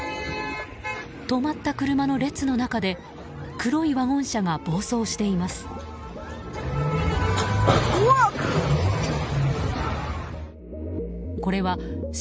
止まった車の列の中で黒いワゴン車が暴走しています。